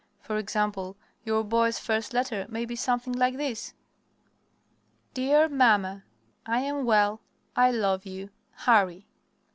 For example, your boy's first letter may be something like this: "DEAR MAMMA: "I am well. I love you. HARRY."